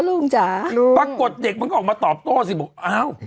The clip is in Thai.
ลุงจ๋าลุงปรากฏเด็กมันก็ออกมาตอบโต้สิบอกอ้าว